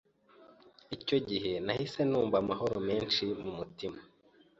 icyo gihe nahise numva amahoro menshi mu mutima